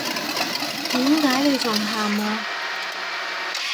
點解你仲喊呀？